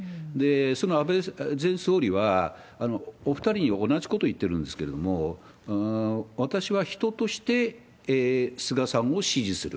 その安倍前総理は、お２人に同じことを言ってるんですけれども、私は人として菅さんを支持する。